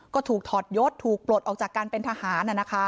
ก็ถูกถอดยศถูกปลดออกจากการเป็นทหาร